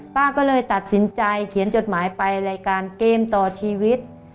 ป้าก็เลยตัดสินใจเขียนจดหมายไปรายการเกมต่อชีวิต